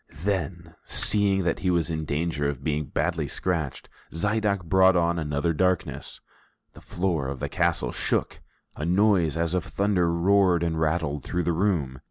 Then, seeing that he was in danger of being badly scratched, Zidoe brought on another darkness, the floor of the castle shook, a noise as of thunder roared and rattled through the room.